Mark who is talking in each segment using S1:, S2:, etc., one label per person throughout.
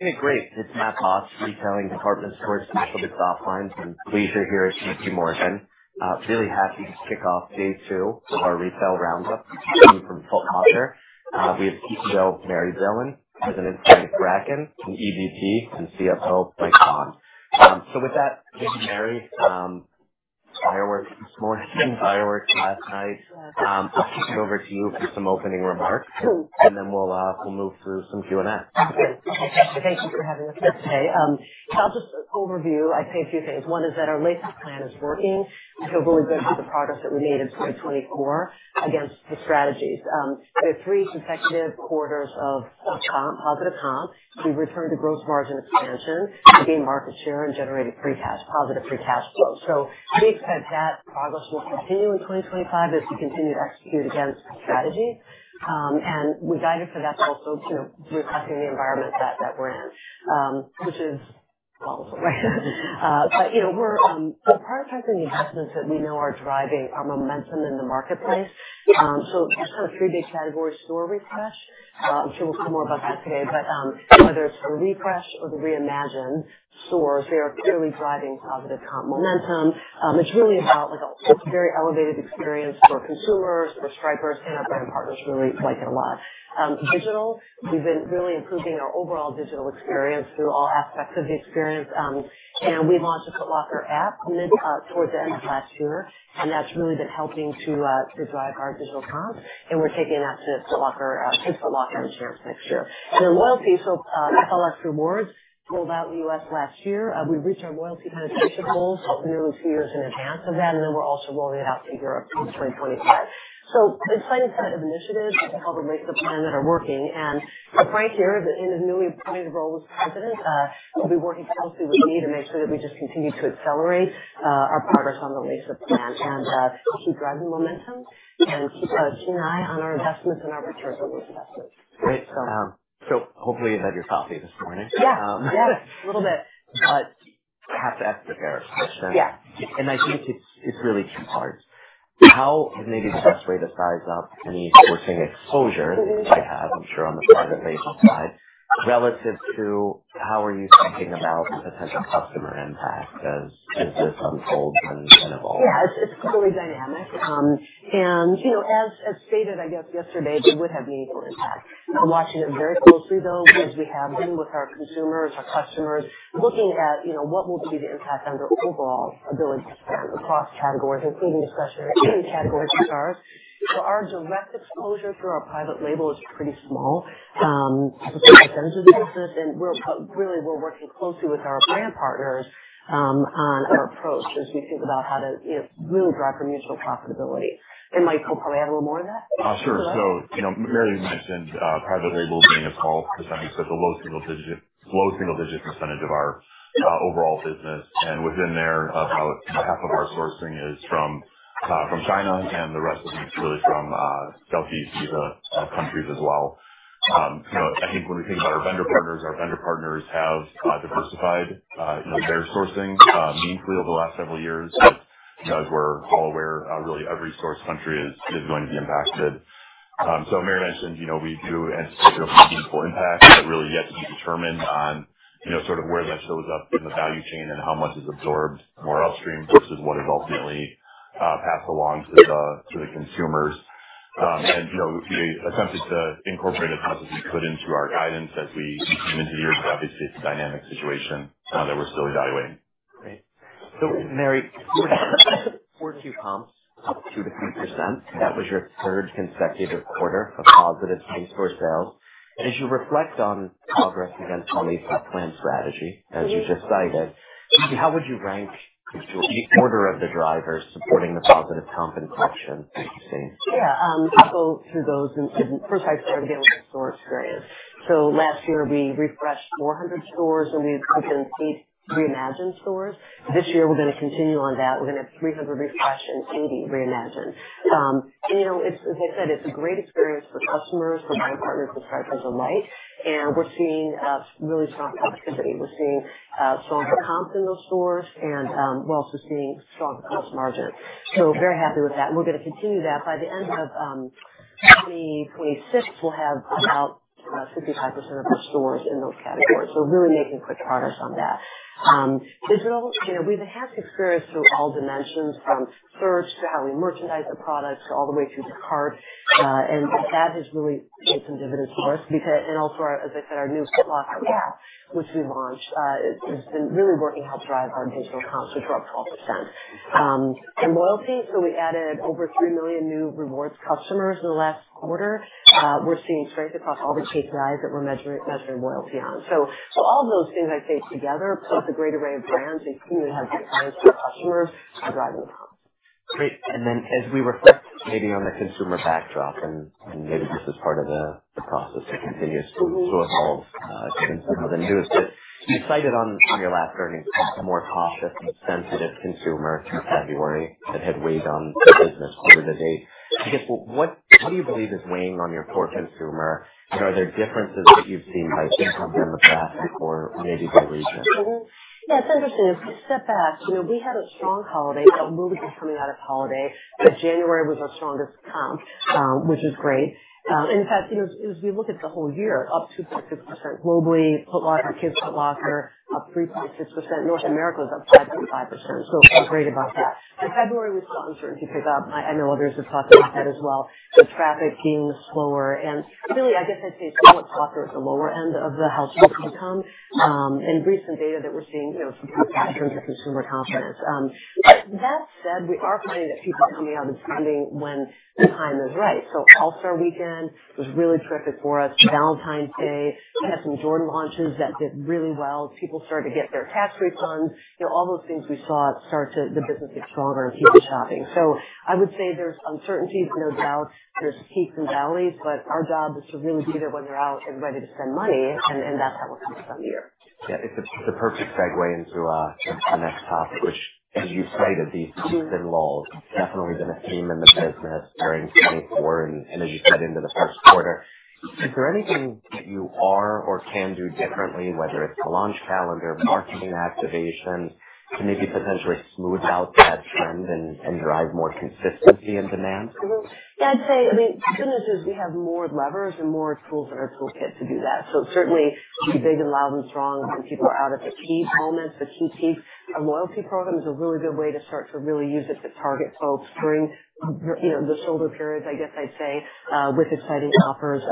S1: Hey, great. It's Matt Boss, Retailing, Department Stores & Specialty Softlines, and pleased you're here at J.P. Morgan. Really happy to kick off day two of our retail roundup from Foot Locker. We have CEO Mary Dillon, President Frank Bracken, and EVP and CFO Mike Baughn. With that, thank you, Mary. Fireworks this morning, fireworks last night. I'll kick it over to you for some opening remarks, and then we'll move through some Q&A.
S2: Okay. Okay. Thank you for having us here today. I'll just overview. I'd say a few things. One is that our latest plan is working. I feel really good about the progress that we made in 2024 against the strategies. We have three consecutive quarters of positive comp. We returned to gross margin expansion, regained market share, and generated free cash, positive free cash flow. We expect that progress will continue in 2025 as we continue to execute against the strategy. We guided for that's also reflecting the environment that we're in, which is awful. We're prioritizing the investments that we know are driving our momentum in the marketplace. There's kind of three big categories: store, refresh. I'm sure we'll talk more about that today. Whether it's the refresh or the reimagined stores, they are clearly driving positive comp momentum. It's really about a very elevated experience for consumers, for Stripers, and our brand partners really like it a lot. Digital, we've been really improving our overall digital experience through all aspects of the experience. We launched the Foot Locker App towards the end of last year, and that's really been helping to drive our digital comp. We're taking that to Foot Locker and Champs next year. Loyalty, FLX Rewards rolled out in the U.S. last year. We reached our loyalty penetration goals nearly two years in advance of that, and we're also rolling it out to Europe in 2025. Exciting kind of initiatives called the Lace Up Plan that are working. Frank here, in his newly appointed role as President, will be working closely with me to make sure that we just continue to accelerate our progress on the Lace Up Plan and keep driving momentum and keep an eye on our investments and our returns on those investments.
S1: Great. Hopefully you had your coffee this morning.
S2: Yeah. Yeah. A little bit.
S1: I have to ask you a fair question. I think it's really two parts. How, maybe the best way to size up any sourcing exposure that you have, I'm sure on the private label side, relative to how are you thinking about potential customer impact as this unfolds and evolves?
S2: Yeah. It's really dynamic. As stated, I guess yesterday, we would have meaningful impact. We're watching it very closely, though, as we have been with our consumers, our customers, looking at what will be the impact on their overall ability to spend across categories, including discretionary categories and goods. Our direct exposure through our private label is pretty small. It's a pretty extensive business. We're working closely with our brand partners on our approach as we think about how to really drive our mutual profitability. Mike will probably add a little more to that.
S3: Sure. Mary mentioned private label being a small percentage, so it's a low single-digit percentage of our overall business. Within there, about half of our sourcing is from China, and the rest of it's really from Southeast Asia countries as well. I think when we think about our vendor partners, our vendor partners have diversified their sourcing meaningfully over the last several years, as we're all aware, really every source country is going to be impacted. Mary mentioned we do anticipate a meaningful impact, but really yet to be determined on sort of where that shows up in the value chain and how much is absorbed more upstream versus what is ultimately passed along to the consumers. We attempted to incorporate as much as we could into our guidance as we came into the year because obviously it's a dynamic situation that we're still evaluating.
S1: Great. Mary, forward to comps, up 2%-3%. That was your third consecutive quarter of positive in-store sales. As you reflect on progress against the Lace Up Plan strategy, as you just cited, how would you rank the order of the drivers supporting the positive comp and collection that you've seen?
S2: Yeah. I'll go through those. First, I start again with the store experience. Last year, we refreshed 400 stores, and we opened 8 reimagined stores. This year, we're going to continue on that. We're going to have 300 refreshed and 80 reimagined. As I said, it's a great experience for customers, for brand partners, for Stripers alike. We're seeing really strong productivity. We're seeing stronger comps in those stores, and we're also seeing stronger gross margin. Very happy with that. We're going to continue that. By the end of 2026, we'll have about 55% of our stores in those categories. Really making quick progress on that. Digital, we've enhanced experience through all dimensions, from search to how we merchandise the products all the way through to cart. That has really made some dividends for us. As I said, our new Foot Locker app, which we launched, has been really working to help drive our digital comps, which are up 12%. Loyalty, we added over 3 million new rewards customers in the last quarter. We're seeing strength across all the KPIs that we're measuring loyalty on. All of those things, I'd say, together plus a great array of brands and continuing to have compliance with our customers are driving the comp.
S1: Great. As we reflect maybe on the consumer backdrop, and maybe this is part of the process that continues to evolve given some of the news, but you cited on your last earnings. More cautious and sensitive consumer through February that had weighed on the business quarter to date. I guess, what do you believe is weighing on your core consumer? Are there differences that you've seen by income demographic or maybe by region?
S2: Yeah. It's interesting. If we step back, we had a strong holiday, but really just coming out of holiday. January was our strongest comp, which is great. In fact, as we look at the whole year, up 2.6% globally. Foot Locker, Kids Foot Locker, up 3.6%. North America was up 5.5%. So we're great about that. In February, we saw uncertainty pick up. I know others have talked about that as well. The traffic being slower. And really, I guess I'd say Foot Locker is the lower end of the household income. And recent data that we're seeing some in terms of consumer confidence. But that said, we are finding that people are coming out and spending when the time is right. So All-Star Weekend was really terrific for us. Valentine's Day, we had some Jordan launches that did really well. People started to get their tax refunds. All those things we saw start to the business get stronger and people shopping. I would say there's uncertainty, no doubt. There are peaks and valleys, but our job is to really be there when they're out and ready to spend money. That's how we're coming from the year.
S1: Yeah. It's a perfect segue into the next topic, which, as you cited, these two big lulls definitely have been a theme in the business during 2024 and, as you said, into the first quarter. Is there anything that you are or can do differently, whether it's the launch calendar, marketing activation, to maybe potentially smooth out that trend and drive more consistency in demand?
S2: Yeah. I'd say, I mean, the good news is we have more levers and more tools in our toolkit to do that. Certainly, be big and loud and strong when people are out at the key moments, the key peaks. Our loyalty program is a really good way to start to really use it to target folks during the shoulder periods, I guess I'd say, with exciting offers.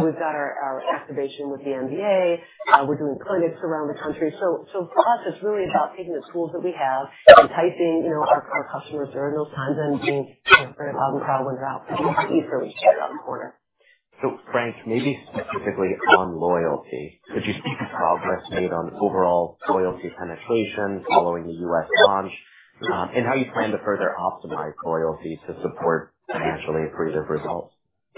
S2: We've got our activation with the NBA. We're doing clinics around the country. For us, it's really about taking the tools that we have, enticing our customers during those times, and being very loud and proud when they're out. Easter when you see it around the corner.
S1: Frank, maybe specifically on loyalty, could you speak to progress made on overall loyalty penetration, following the U.S. launch, and how you plan to further optimize loyalty to support financial and creative results?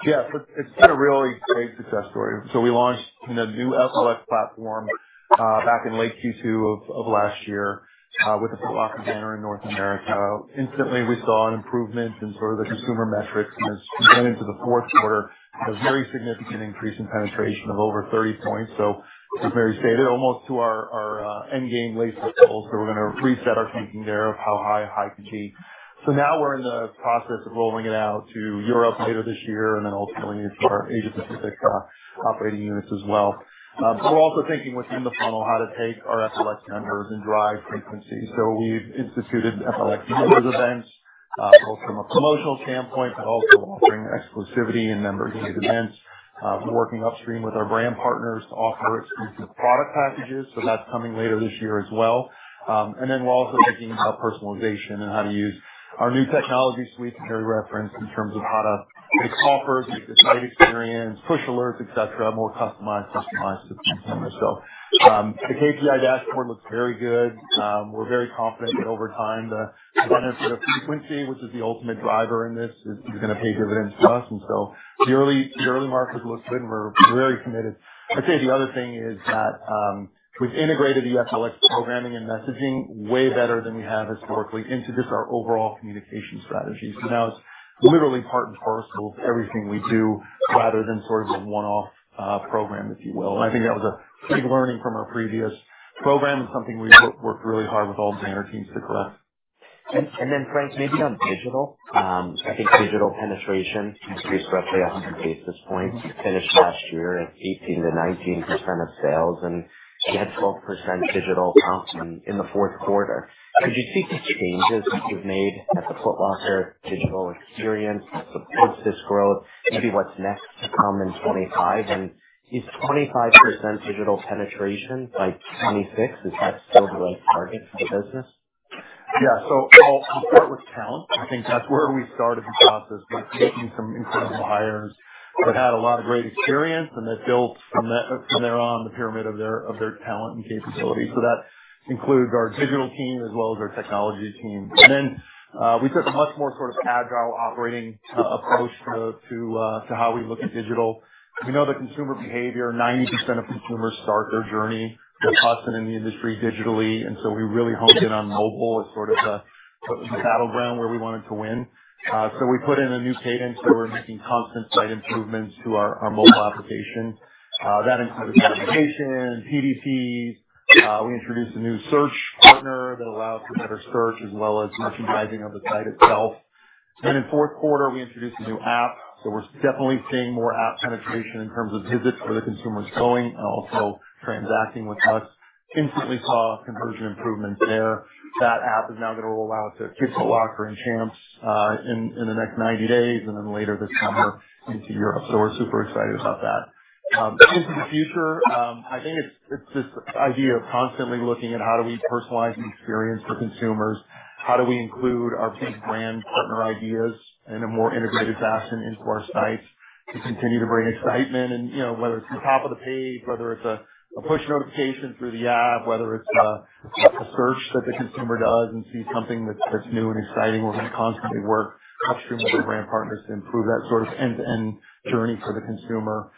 S4: Yeah. It's been a really great success story. We launched a new FLX platform back in late Q2 of last year with the Foot Locker banner in North America. Instantly, we saw an improvement in sort of the consumer metrics. As we went into the fourth quarter, a very significant increase in penetration of over 30 points. As Mary stated, almost to our endgame Lace Up goals. We're going to reset our thinking there of how high, high could be. Now we're in the process of rolling it out to Europe later this year and then ultimately into our Asia-Pacific operating units as well. We're also thinking within the funnel how to take our FLX members and drive frequency. We've instituted FLX members events both from a promotional standpoint, but also offering exclusivity and membership events. We're working upstream with our brand partners to offer exclusive product packages. That's coming later this year as well. We're also thinking about personalization and how to use our new technology suite to carry reference in terms of how to make offers, make the site experience, push alerts, etc., more customized, customized to consumers. The KPI dashboard looks very good. We're very confident that over time, the benefit of frequency, which is the ultimate driver in this, is going to pay dividends for us. The early market looks good, and we're very committed. I'd say the other thing is that we've integrated the FLX programming and messaging way better than we have historically into just our overall communication strategy. Now it's literally part and parcel of everything we do rather than sort of a one-off program, if you will. I think that was a big learning from our previous program and something we worked really hard with all of the enter teams to correct.
S1: Frank, maybe on digital, I think digital penetration increased roughly 100 basis points. You finished last year at 18-19% of sales, and you had 12% digital comp in the fourth quarter. Could you speak to changes you've made at the Foot Locker digital experience that supports this growth? Maybe what's next to come in 2025? And is 25% digital penetration by 2026? Is that still the right target for the business?
S4: Yeah. I will start with talent. I think that's where we started the process with making some incredible hires that had a lot of great experience, and they've built from there on the pyramid of their talent and capability. That includes our digital team as well as our technology team. We took a much more sort of agile operating approach to how we look at digital. We know the consumer behavior. 90% of consumers start their journey with us and in the industry digitally. We really honed in on mobile as sort of the battleground where we wanted to win. We put in a new cadence that we're making constant site improvements to our mobile application. That includes notifications, PDPs. We introduced a new search partner that allows for better search as well as merchandising of the site itself. In fourth quarter, we introduced a new app. We are definitely seeing more app penetration in terms of visits where the consumer is going and also transacting with us. Instantly saw conversion improvements there. That app is now going to roll out to Kids Foot Locker and Champs in the next 90 days and then later this summer into Europe. We are super excited about that. Into the future, I think it is this idea of constantly looking at how do we personalize the experience for consumers? How do we include our big brand partner ideas in a more integrated fashion into our sites to continue to bring excitement? Whether it's the top of the page, whether it's a push notification through the app, whether it's a search that the consumer does and sees something that's new and exciting, we're going to constantly work upstream with our brand partners to improve that sort of end-to-end journey for the consumer.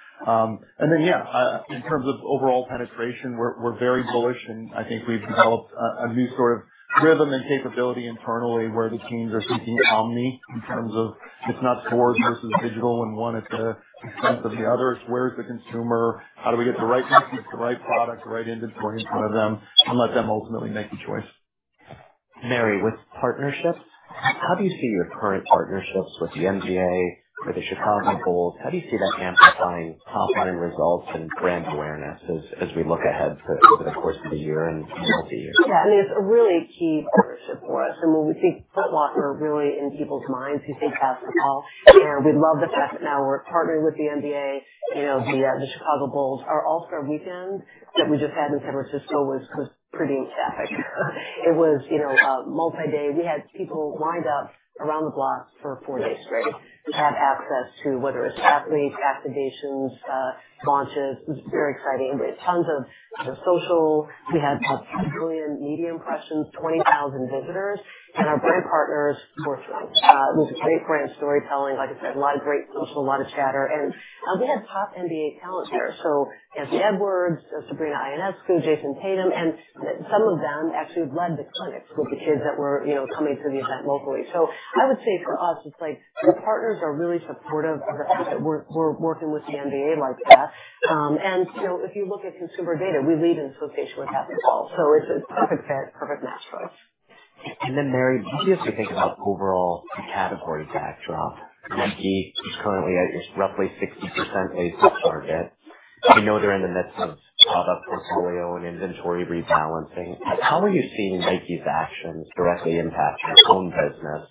S4: In terms of overall penetration, we're very bullish, and I think we've developed a new sort of rhythm and capability internally where the teams are thinking omni in terms of it's not stores versus digital and one at the expense of the other. It's where is the consumer? How do we get the right people, the right product, the right inventory in front of them and let them ultimately make the choice?
S1: Mary, with partnerships, how do you see your current partnerships with the NBA, with the Chicago Bulls? How do you see that amplifying top-line results and brand awareness as we look ahead to the course of the year and multi-year?
S2: Yeah. I mean, it's a really key partnership for us. And when we think Foot Locker, really in people's minds, we think basketball. We love the fact that now we're partnering with the NBA. The Chicago Bulls are All-Star weekend that we just had in San Francisco was pretty in traffic. It was a multi-day. We had people lined up around the block for four days straight to have access to whether it's athlete activations, launches. It was very exciting. We had tons of social. We had a million media impressions, 20,000 visitors. Our brand partners were through. It was great brand storytelling. Like I said, a lot of great social, a lot of chatter. We had top NBA talent there. Anthony Edwards, Sabrina Ionescu, Jayson Tatum. Some of them actually led the clinics with the kids that were coming to the event locally. I would say for us, it's like the partners are really supportive of the fact that we're working with the NBA like that. And if you look at consumer data, we lead in association with basketball. So it's a perfect match, perfect match for us.
S1: Mary, maybe as we think about overall category backdrop, Nike is currently at roughly 60% Lace Up target. We know they're in the midst of product portfolio and inventory rebalancing. How are you seeing Nike's actions directly impact your own business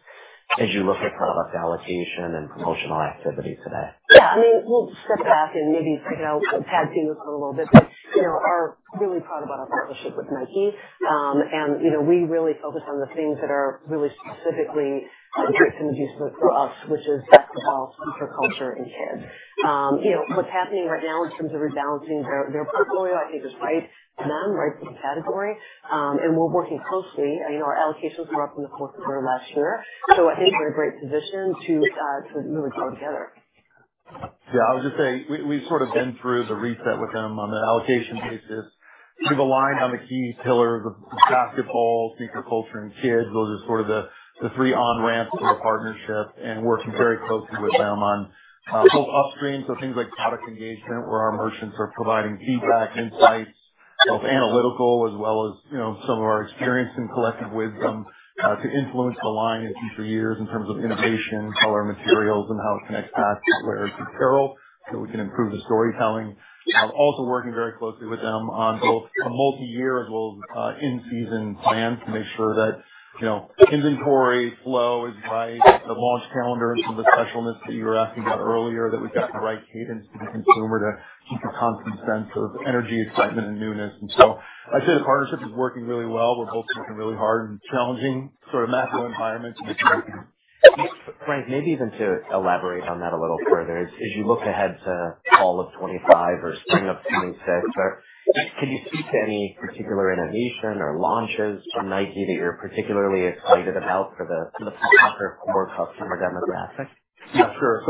S1: as you look at product allocation and promotional activity today?
S2: Yeah. I mean, we'll step back and maybe pad to you for a little bit, but are really proud about our partnership with Nike. And we really focus on the things that are really specifically a great thing to do for us, which is basketball, Sneaker Culture, and kids. What's happening right now in terms of rebalancing their portfolio, I think, is right for them, right for the category. And we're working closely. I mean, our allocations were up in the fourth quarter last year. So I think we're in a great position to really go together.
S3: Yeah. I was going to say we've sort of been through the reset with them on the allocation basis. We've aligned on the key pillars of basketball, Sneaker Culture, and kids, which are sort of the three on-ramps to the partnership. We are working very closely with them on both upstream, so things like product engagement, where our merchants are providing feedback, insights, both analytical as well as some of our experience and collective wisdom to influence the line in future years in terms of innovation, color, materials, and how it connects back to wear and apparel so we can improve the storytelling. Also working very closely with them on both a multi-year as well as in-season plan to make sure that inventory flow is right, the launch calendar, and some of the specialness that you were asking about earlier, that we have got the right cadence to the consumer to keep a constant sense of energy, excitement, and newness. I would say the partnership is working really well. We are both working really hard in challenging sort of macro environments.
S1: Frank, maybe even to elaborate on that a little further, as you look ahead to fall of 2025 or spring of 2026, can you speak to any particular innovation or launches from Nike that you're particularly excited about for the Foot Locker core customer demographic?
S4: Yeah. Sure.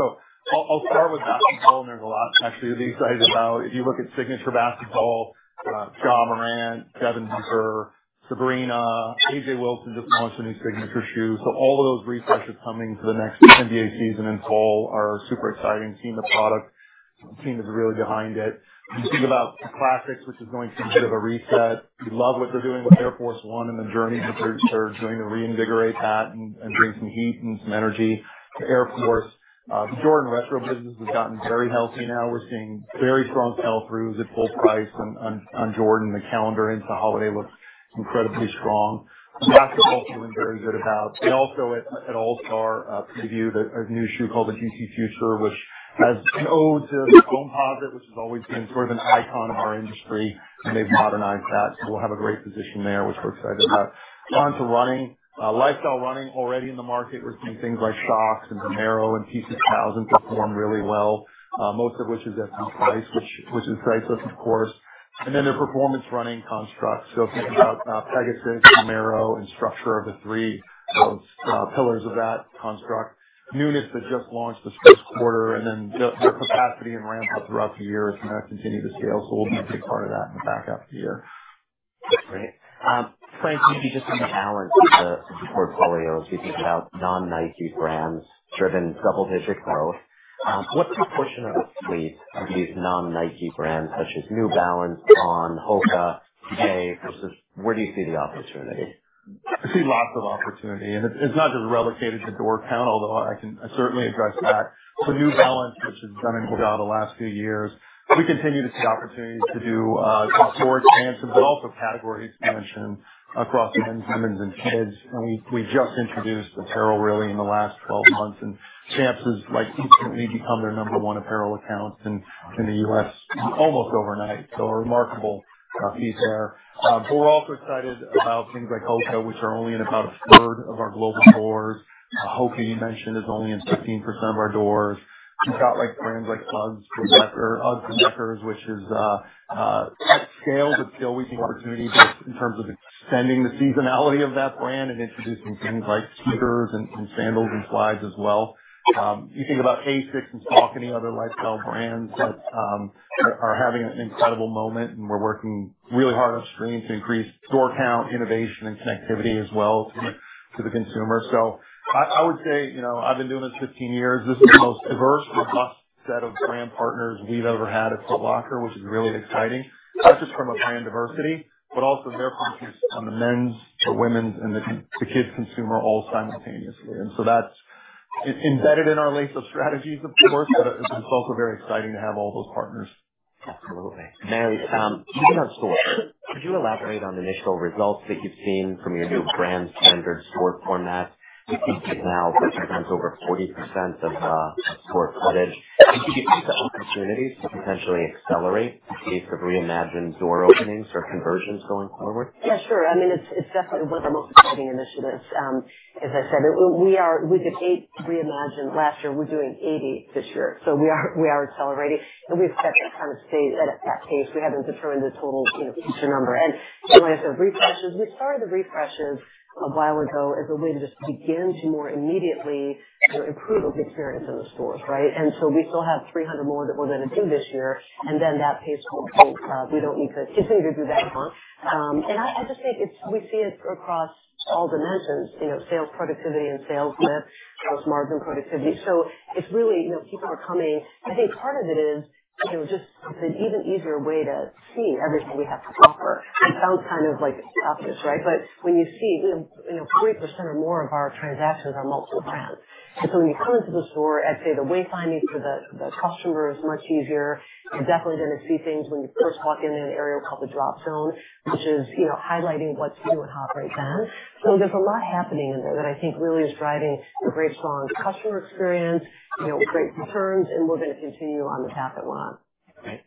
S4: I'll start with basketball, and there's a lot actually to be excited about. If you look at signature basketball, Ja Morant, Devin Booker, Sabrina, A'ja Wilson just launched a new signature shoe. All of those refreshes coming for the next NBA season in fall are super exciting. Seeing the product, the team is really behind it. You think about the Classics, which is going to be a bit of a reset. We love what they're doing with Air Force 1 and the journey that they're doing to reinvigorate that and bring some heat and some energy to Air Force. Jordan Retro business has gotten very healthy now. We're seeing very strong sell-throughs at full price on Jordan. The calendar into the holiday looks incredibly strong. Basketball is feeling very good about. They also at All-Star previewed a new shoe called the G.T. Future, which has an ode to the Foamposite, which has always been sort of an icon of our industry. They have modernized that. We will have a great position there, which we are excited about. Onto running. Lifestyle running already in the market. We are seeing things like Shox and Vomero and pieces of V2Ks perform really well, most of which is at the price, which excites us, of course. Their performance running constructs—think about Pegasus, Vomero, and Structure—are the three pillars of that construct. Newness that just launched the first quarter. Their capacity and ramp-up throughout the year is going to continue to scale. We will be a big part of that in the back half of the year.
S1: Great. Frank, maybe just on the balance of the portfolio, as we think about non-Nike brands driven double-digit growth, what's the portion of the fleet of these non-Nike brands such as New Balance, On, Hoka, today versus where do you see the opportunity?
S4: I see lots of opportunity. It is not just relegated to Door Count, although I can certainly address that. New Balance, which has done a good job the last few years. We continue to see opportunities to do some store expansion, but also categories you mentioned across men's and women's and kids. We just introduced apparel really in the last 12 months. Champs has instantly become their number one apparel account in the US almost overnight. A remarkable feat there. We are also excited about things like Hoka, which are only in about a third of our global stores. Hoka, you mentioned, is only in 15% of our doors. We have got brands like UGG Classics, which is at scale, but still we see opportunity both in terms of extending the seasonality of that brand and introducing things like sneakers and sandals and slides as well. You think about Asics and Saucony, other lifestyle brands that are having an incredible moment. We're working really hard upstream to increase store count, innovation, and connectivity as well to the consumer. I would say I've been doing this 15 years. This is the most diverse, robust set of brand partners we've ever had at Foot Locker, which is really exciting, not just from a brand diversity, but also their focus on the men's, the women's, and the kids' consumer all simultaneously. That is embedded in our Lace Up strategies, of course, but it's also very exciting to have all those partners.
S1: Absolutely. Mary, thinking on stores, could you elaborate on the initial results that you've seen from your new brand standard store format? We think now that sometimes over 40% of store footage. Do you see opportunities to potentially accelerate the pace of reimagined door openings or conversions going forward?
S2: Yeah, sure. I mean, it's definitely one of our most exciting initiatives. As I said, we did eight reimagined last year, we're doing 80 this year. We are accelerating. We expect to kind of stay at that pace. We haven't determined the total future number. I guess the refreshes, we started the refreshes a while ago as a way to just begin to more immediately improve the experience in the stores, right? We still have 300 more that we're going to do this year. That pace will pick up. We don't need to continue to do that. I just think we see it across all dimensions: sales productivity and sales lift, gross margin productivity. It's really people are coming. I think part of it is just it's an even easier way to see everything we have to offer. It sounds kind of obvious, right? But when you see 40% or more of our transactions are multiple brands. When you come into the store, I'd say the wayfinding for the customer is much easier. You're definitely going to see things when you first walk in an area called the Drop Zone, which is highlighting what's new and hot right then. There is a lot happening in there that I think really is driving a great strong customer experience, great returns, and we're going to continue on the path at one.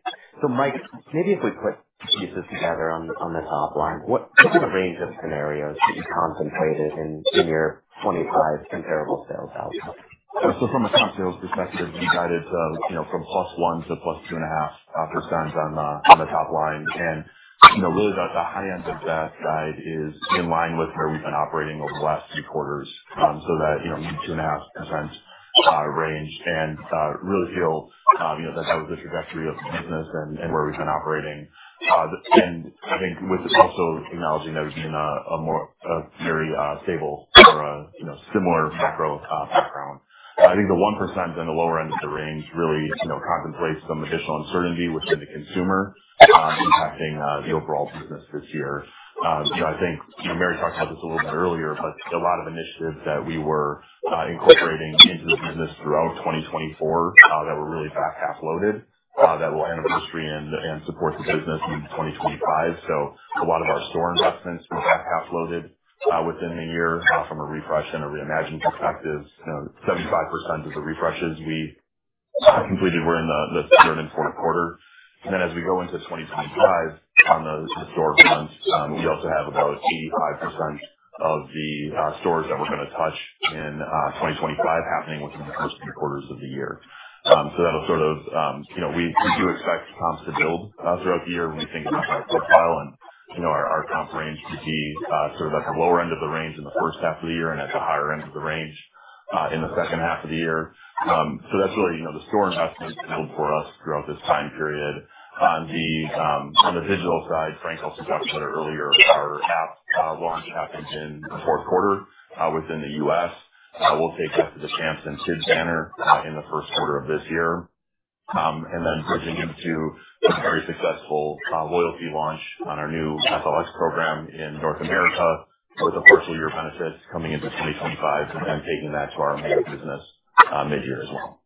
S1: Great. Mike, maybe if we put pieces together on the top line, what's the range of scenarios that you contemplated in your 25 comparable sales outcomes?
S3: From a comp sales perspective, we guided from plus 1% to plus 2.5% on the top line. Really, the high end of that side is in line with where we've been operating over the last three quarters, so that 2.5% range. Really feel that that was the trajectory of business and where we've been operating. I think with also acknowledging that we've been a very stable or similar macro background. I think the 1% and the lower end of the range really contemplates some additional uncertainty within the consumer impacting the overall business this year. I think Mary talked about this a little bit earlier, but a lot of initiatives that we were incorporating into the business throughout 2024 that were really back half loaded that will anniversary and support the business in 2025. A lot of our store investments were back half loaded within the year from a refresh and a reimagined perspective. 75% of the refreshes we completed were in the third and fourth quarter. As we go into 2025 on the store front, we also have about 85% of the stores that we're going to touch in 2025 happening within the first three quarters of the year. That'll sort of we do expect comps to build throughout the year when we think about our profile. Our comp range would be sort of at the lower end of the range in the first half of the year and at the higher end of the range in the second half of the year. That's really the store investments for us throughout this time period. On the digital side, Frank also talked about it earlier, our app launch happened in the fourth quarter within the U.S. We'll take that to the Champs and Kids Banner in the first quarter of this year. Bridging into a very successful loyalty launch on our new FLX program in North America with a partial year benefits coming into 2025 and then taking that to our main business mid-year as well.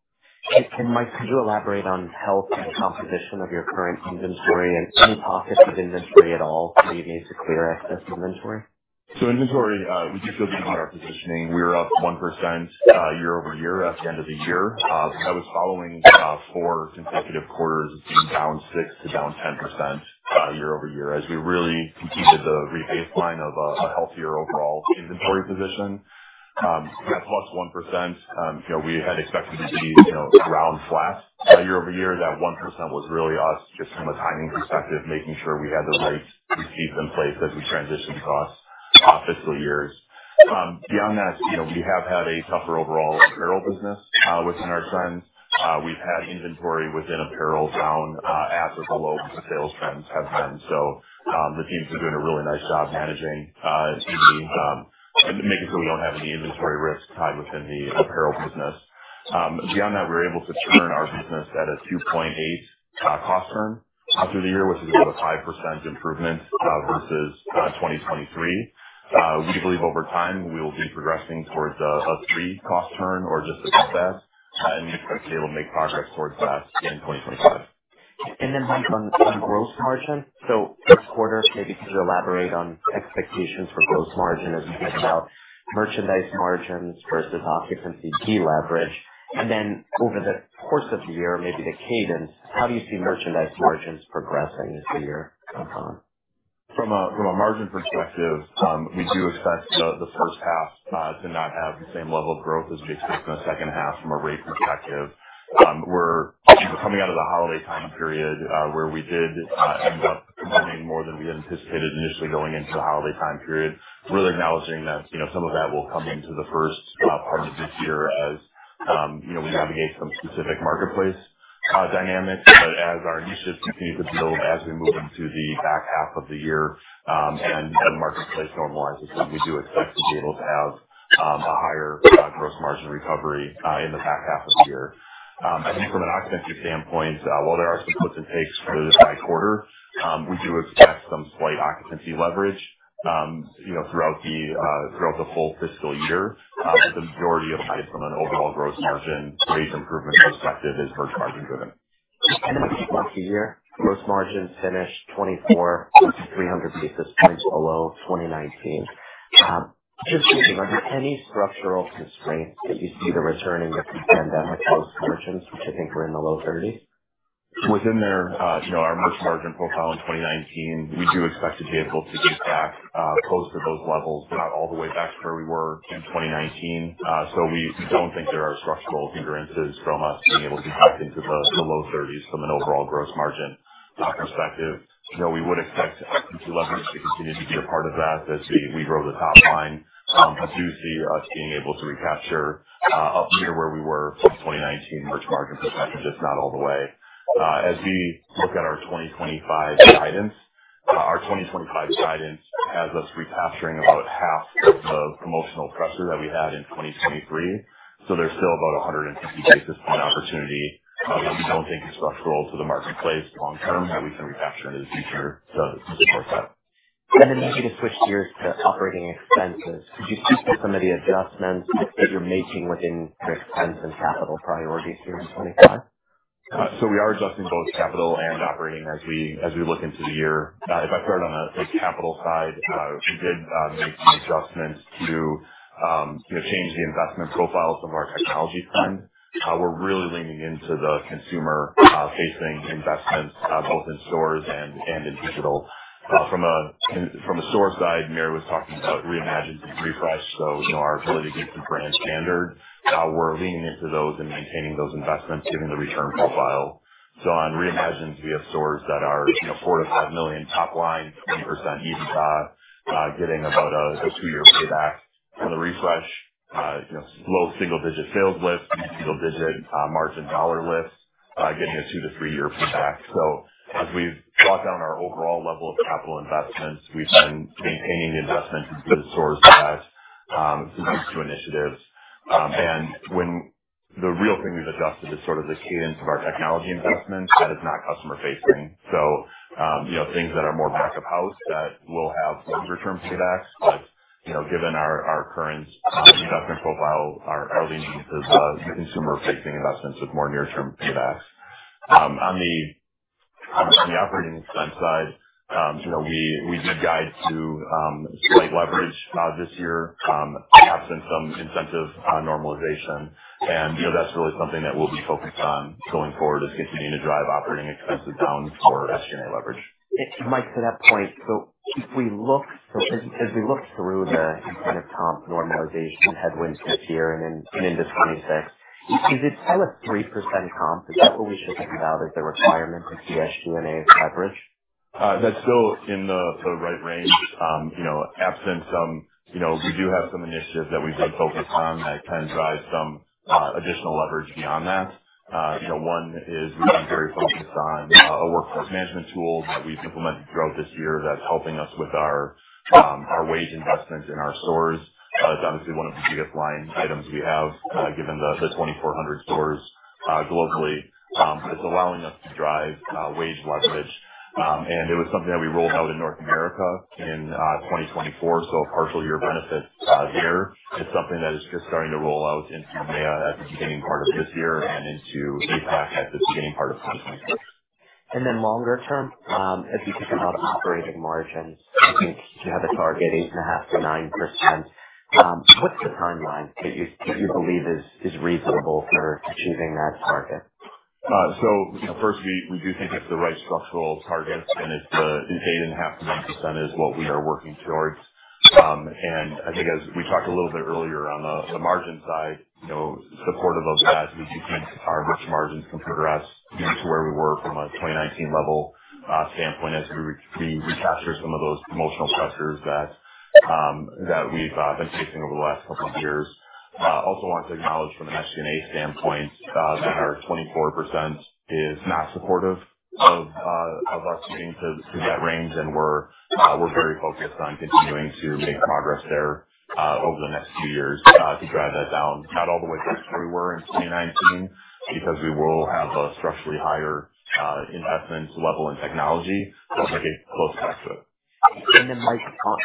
S1: Mike, could you elaborate on health and composition of your current inventory and any pockets of inventory at all that you need to clear excess inventory?
S3: Inventory, we do feel we need our positioning. We were up 1% year over year at the end of the year. That was following four consecutive quarters of being down 6% to down 10% year over year as we really completed the rebaseline of a healthier overall inventory position. That plus 1%, we had expected to be around flat year over year. That 1% was really us just from a timing perspective, making sure we had the right receipts in place as we transitioned across fiscal years. Beyond that, we have had a tougher overall apparel business within our trends. We've had inventory within apparel down at or below what the sales trends have been. The teams are doing a really nice job managing and making sure we do not have any inventory risk tied within the apparel business. Beyond that, we were able to turn our business at a 2.8 cost turn through the year, which is about a 5% improvement versus 2023. We believe over time we will be progressing towards a 3 cost turn or just above that. We expect to be able to make progress towards that in 2025.
S1: Mike, on gross margin, so first quarter, maybe could you elaborate on expectations for gross margin as you think about merchandise margins versus occupancy key leverage? Over the course of the year, maybe the cadence, how do you see merchandise margins progressing this year?
S3: From a margin perspective, we do expect the first half to not have the same level of growth as we expect in the second half from a rate perspective. We're coming out of the holiday time period where we did end up running more than we had anticipated initially going into the holiday time period. Really acknowledging that some of that will come into the first part of this year as we navigate some specific marketplace dynamics. As our initiatives continue to build as we move into the back half of the year and the marketplace normalizes, we do expect to be able to have a higher gross margin recovery in the back half of the year. I think from an occupancy standpoint, while there are some puts and takes for the high quarter, we do expect some slight occupancy leverage throughout the full fiscal year. The majority of it from an overall gross margin rate improvement perspective is merch margin driven.
S1: The fiscal year gross margin finished 200 to 300 basis points below 2019. Just thinking, are there any structural constraints that you see to the returning of pandemic gross margins, which I think were in the low 30%?
S3: Within our merch margin profile in 2019, we do expect to be able to get back close to those levels, but not all the way back to where we were in 2019. We do not think there are structural hindrances from us being able to get back into the low 30s from an overall gross margin perspective. We would expect equity leverage to continue to be a part of that as we grow the top line. I do see us being able to recapture up near where we were from 2019 merch margin perspective, just not all the way. As we look at our 2025 guidance, our 2025 guidance has us recapturing about half of the promotional pressure that we had in 2023. There is still about 150 basis point opportunity. We don't think it's structural to the marketplace long term that we can recapture into the future to support that.
S1: Maybe to switch gears to operating expenses, could you speak to some of the adjustments that you're making within your expense and capital priorities here in 2025?
S3: We are adjusting both capital and operating as we look into the year. If I start on the capital side, we did make some adjustments to change the investment profile of some of our technology spend. We're really leaning into the consumer-facing investments, both in stores and in digital. From a store side, Mary was talking about reimagined and refreshed. Our ability to get the brand standard, we're leaning into those and maintaining those investments, giving the return profile. On reimagined, we have stores that are $4 million-$5 million top line, 20% EBITDA, getting about a two-year payback. On the refresh, low single-digit sales lift, single-digit margin dollar lift, getting a two to three-year payback. As we've brought down our overall level of capital investments, we've been maintaining the investment in the stores as we move to initiatives. The real thing we've adjusted is sort of the cadence of our technology investments that is not customer-facing. Things that are more back of house will have longer-term paybacks. Given our current investment profile, we are leaning to the consumer-facing investments with more near-term paybacks. On the operating expense side, we did guide to slight leverage this year absent some incentive normalization. That is really something that we'll be focused on going forward, continuing to drive operating expenses down for SG&A leverage.
S1: Mike, to that point, if we look through the incentive comp normalization headwinds this year and into 2026, is it still a 3% comp? Is that what we should think about as a requirement to see SG&A leverage?
S3: That's still in the right range. Absent some, we do have some initiatives that we've been focused on that can drive some additional leverage beyond that. One is we've been very focused on a workforce management tool that we've implemented throughout this year that's helping us with our wage investments in our stores. It's obviously one of the biggest line items we have given the 2,400 stores globally. It's allowing us to drive wage leverage. It was something that we rolled out in North America in 2024, so a partial year benefit there. It's something that is just starting to roll out into MEA at the beginning part of this year and into APAC at the beginning part of 2024.
S1: Then longer term, as you think about operating margins, I think you have a target 8.5-9%. What's the timeline that you believe is reasonable for achieving that target?
S3: First, we do think it's the right structural target. It's the 8.5-9% that we are working towards. I think as we talked a little bit earlier on the margin side, supportive of that is we think our merch margins can progress to where we were from a 2019 level standpoint as we recapture some of those promotional pressures that we've been facing over the last couple of years. I also want to acknowledge from an SG&A standpoint that our 24% is not supportive of us getting to that range. We're very focused on continuing to make progress there over the next few years to drive that down. Not all the way back to where we were in 2019 because we will have a structurally higher investment level in technology. I'll take a close check to it.
S1: Mike,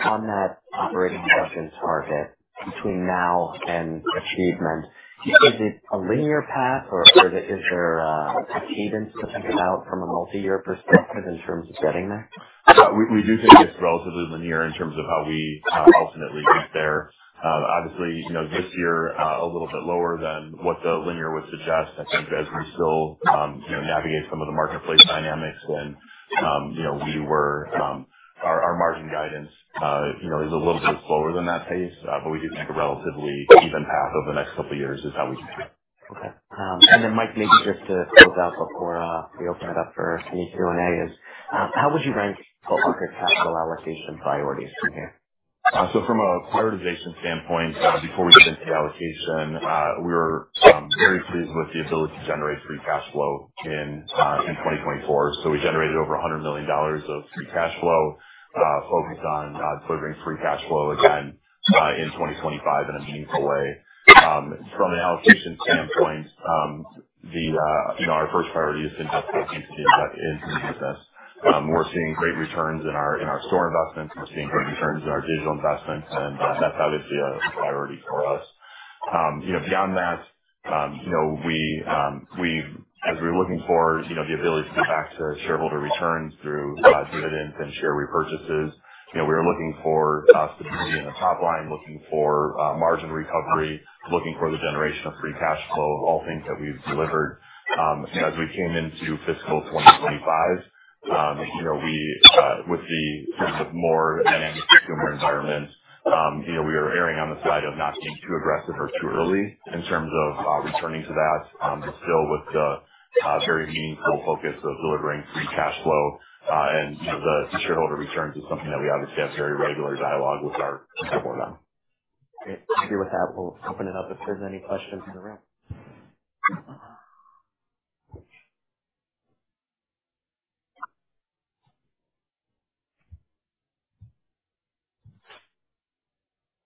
S1: on that operating margin target between now and achievement, is it a linear path or is there a cadence to think about from a multi-year perspective in terms of getting there?
S3: We do think it's relatively linear in terms of how we ultimately get there. Obviously, this year a little bit lower than what the linear would suggest. I think as we still navigate some of the marketplace dynamics and our margin guidance is a little bit slower than that pace. We do think a relatively even path over the next couple of years is how we can do it.
S1: Okay. Mike, maybe just to close out before we open it up for any Q&A, how would you rank the market capital allocation priorities from here?
S3: From a prioritization standpoint, before we did the allocation, we were very pleased with the ability to generate free cash flow in 2024. We generated over $100 million of free cash flow focused on delivering free cash flow again in 2025 in a meaningful way. From an allocation standpoint, our first priority is to invest back into the business. We're seeing great returns in our store investments. We're seeing great returns in our digital investments. That's obviously a priority for us. Beyond that, as we're looking for the ability to get back to shareholder returns through dividends and share repurchases, we are looking for stability in the top line, looking for margin recovery, looking for the generation of free cash flow, all things that we've delivered. As we came into fiscal 2025, with the more dynamic consumer environment, we are erring on the side of not being too aggressive or too early in terms of returning to that, but still with the very meaningful focus of delivering free cash flow. The shareholder returns is something that we obviously have very regular dialogue with our consumer on.
S1: Great. I'll be with that. We'll open it up if there's any questions in the room.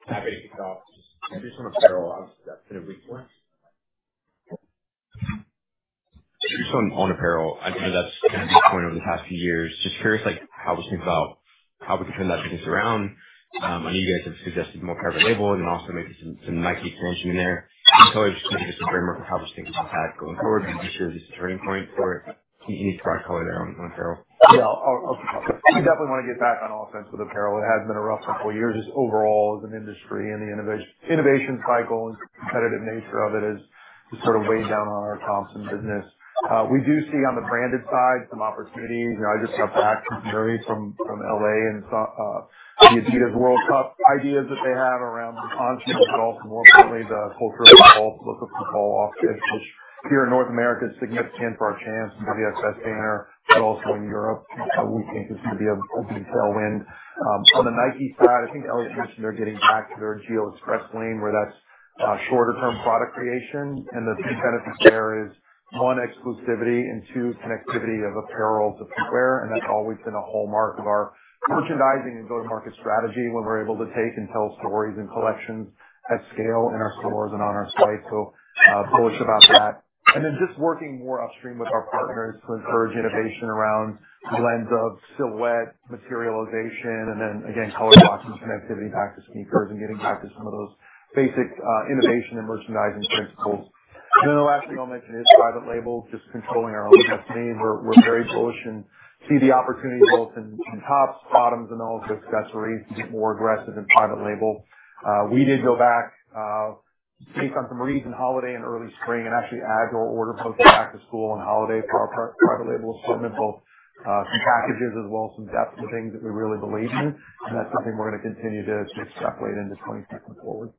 S4: Happy to kick off. I just want to bear a lot of that kind of weak point.
S3: Just on apparel, I know that's been a weak point over the past few years. Just curious how we think about how we can turn that business around. I know you guys have suggested more apparel label and then also maybe some Nike expansion in there. I just want to get some framework of how we're thinking of that going forward. I'm pretty sure this is a turning point for it. Any strike color there on apparel?
S4: Yeah. I'll kick off. We definitely want to get back on all sense with apparel. It has been a rough couple of years. Overall, as an industry and the innovation cycle and competitive nature of it has sort of weighed down on our Champs business. We do see on the branded side some opportunities. I just got back from some journey from Los Angeles and the Adidas World Cup ideas that they have around the T-Toe shoes and also more importantly, the cultural look of football officially, which here in North America is significant for our Champs and for the WSS banner, but also in Europe. We think this is going to be a big tailwind. On the Nike side, I think Elliott mentioned they're getting back to their Geo Express Lane where that's shorter-term product creation. The three benefits there is, one, exclusivity and two, connectivity of apparel to footwear. That has always been a hallmark of our merchandising and go-to-market strategy when we're able to take and tell stories and collections at scale in our stores and on our site. Bullish about that. Just working more upstream with our partners to encourage innovation around the lens of silhouette, materialization, color blocking, connectivity back to sneakers, and getting back to some of those basic innovation and merchandising principles. The last thing I'll mention is private label, just controlling our own destiny. We're very bullish and see the opportunity both in tops, bottoms, and also accessories to get more aggressive in private label. We did go back based on some recent holiday and early spring and actually add or order both back to school and holiday for our private label assortment, both some packages as well as some depth and things that we really believe in. That is something we are going to continue to extrapolate into 2024.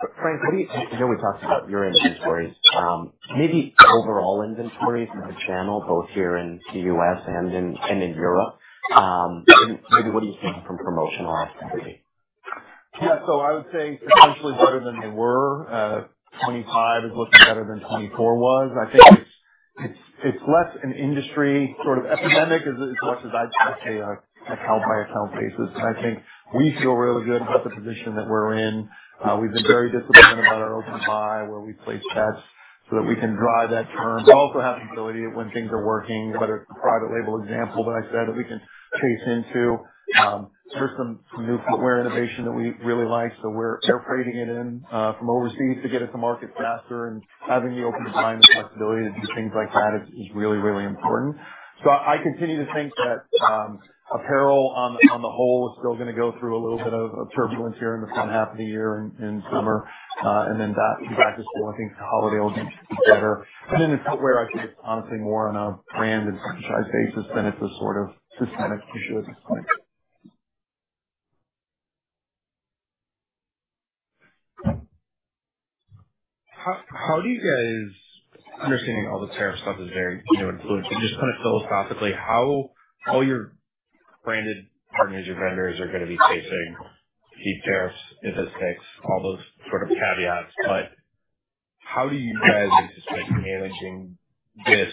S1: Frank, I know we talked about your inventories. Maybe overall inventory from the channel, both here in the U.S. and in Europe. Maybe what are you thinking from promotional activity?
S4: Yeah. I would say potentially better than they were. Twenty-five is looking better than twenty-four was. I think it's less an industry sort of epidemic as much as I'd say a count-by-count basis. I think we feel really good about the position that we're in. We've been very disciplined about our open-to-buy, where we place bets so that we can drive that turn. We also have the ability when things are working, whether it's the private label example that I said, that we can chase into. There's some new footwear innovation that we really like. We are air freighting it in from overseas to get it to market faster. Having the open design and flexibility to do things like that is really, really important. I continue to think that apparel on the whole is still going to go through a little bit of turbulence here in the front half of the year in summer. Then back to school, I think the holiday will be better. The footwear, I think it's honestly more on a brand and franchise basis than it's a sort of systemic issue at this point.
S3: How do you guys, understanding all the tariff stuff, is very influential? Just kind of philosophically, how all your branded partners or vendors are going to be facing these tariffs if this takes all those sort of caveats. How do you guys anticipate managing this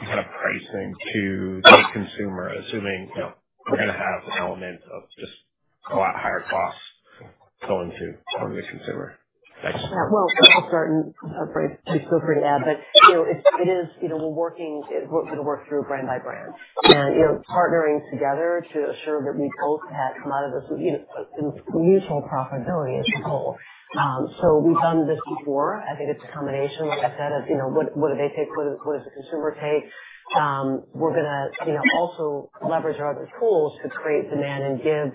S3: kind of pricing to the consumer, assuming we're going to have an element of just a lot higher costs going to the consumer?
S2: I will start and Frank, please feel free to add. It is we are working to work through brand by brand and partnering together to assure that we both have a lot of this mutual profitability as a whole. We have done this before. I think it is a combination, like I said, of what do they take, what does the consumer take. We are going to also leverage our other tools to create demand and give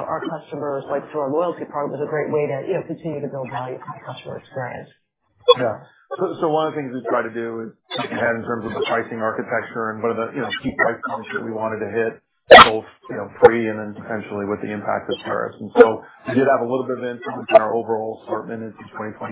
S2: our customers, like through our loyalty program, which is a great way to continue to build value for the customer experience.
S4: Yeah. One of the things we try to do is look ahead in terms of the pricing architecture and what are the key price points that we wanted to hit, both pre and then potentially with the impact of tariffs. We did have a little bit of input in our overall assortment into 2025.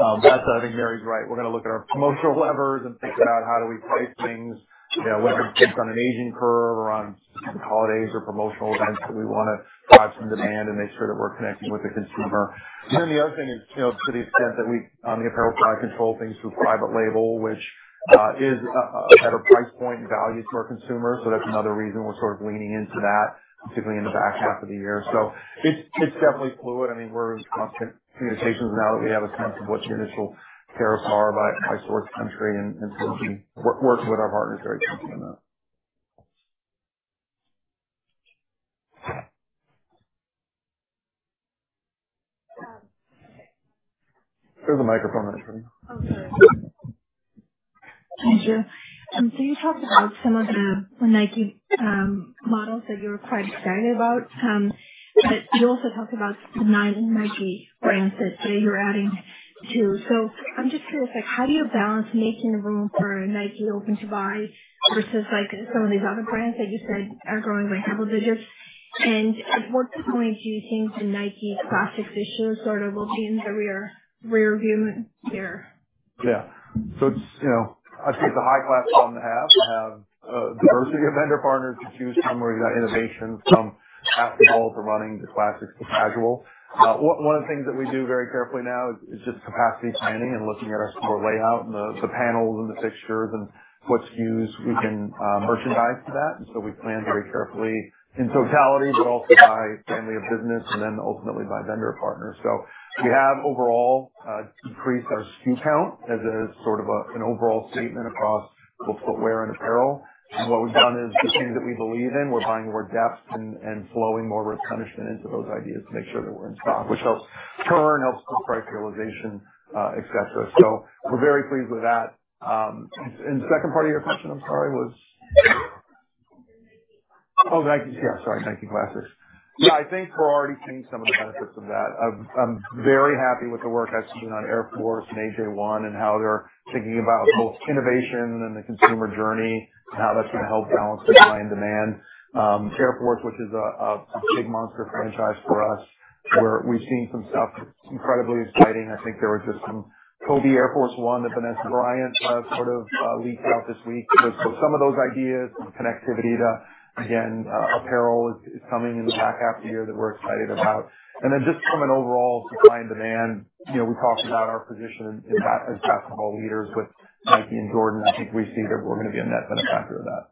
S4: I think Mary's right. We're going to look at our promotional levers and think about how do we price things, whether it's based on an aging curve or on specific holidays or promotional events that we want to drive some demand and make sure that we're connecting with the consumer. The other thing is to the extent that we on the apparel side control things through private label, which is a better price point and value to our consumers. That's another reason we're sort of leaning into that, particularly in the back half of the year. It's definitely fluid. I mean, we're in constant communications now that we have a sense of what the initial tariffs are by source country and working with our partners very closely on that. There's a microphone that's running.
S5: Oh, sorry. Thank you. You talked about some of the Nike models that you were quite excited about. You also talked about the non-Nike brands that you're adding to. I'm just curious, how do you balance making room for Nike open to buy versus some of these other brands that you said are growing by double digits? At what point do you think the Nike classics issue sort of will be in the rearview mirror?
S4: Yeah. I'd say it's a high class one to have. We have diversity of vendor partners to choose from where you got innovation from outsold to running to classics to casual. One of the things that we do very carefully now is just capacity planning and looking at our store layout and the panels and the fixtures and what SKUs we can merchandise to that. We plan very carefully in totality, but also by family of business and then ultimately by vendor partners. We have overall decreased our SKU count as a sort of an overall statement across both footwear and apparel. What we've done is the things that we believe in, we're buying more depth and flowing more replenishment into those ideas to make sure that we're in stock, which helps turn, helps with price realization, etc. We're very pleased with that. The second part of your question, I'm sorry, was? Oh, Nike. Yeah. Sorry. Nike classics. Yeah. I think we're already seeing some of the benefits of that. I'm very happy with the work that's been done on Air Force and AJ1 and how they're thinking about both innovation and the consumer journey and how that's going to help balance supply and demand. Air Force, which is a big monster franchise for us, where we've seen some stuff that's incredibly exciting. I think there was just some Kobe Air Force 1 that Vanessa Bryant sort of leaked out this week. Some of those ideas and connectivity to, again, apparel is coming in the back half of the year that we're excited about. Just from an overall supply and demand, we talked about our position as basketball leaders with Nike and Jordan. I think we see that we're going to be a net benefactor of that.